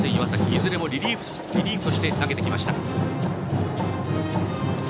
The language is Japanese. いずれもリリーフとして投げてきました。